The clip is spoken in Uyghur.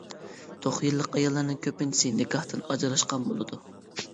توخۇ يىللىق ئاياللارنىڭ كۆپىنچىسى نىكاھتىن ئاجراشقان بولىدۇ.